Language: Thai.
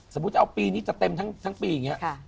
สมมุติจะเอาปีนี้จะเต็มทั้งปีอย่างนี้